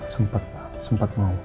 sempat pak sempat mau